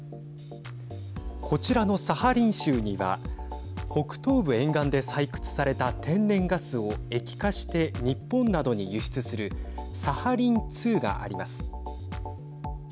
こちらのサハリン州には北東部沿岸で採掘された天然ガスを液化して日本などに輸出するサハリン２があります。